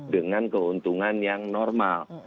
dengan keuntungan yang normal